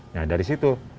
nah dari situ